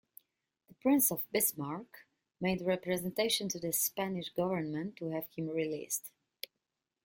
The Prince of Bismarck made representations to the Spanish government to have him released.